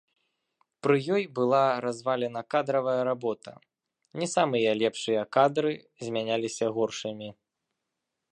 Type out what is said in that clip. Пры ёй была развалена кадравая работа, не самыя лепшыя кадры замяняліся горшымі.